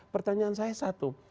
pertanyaan saya satu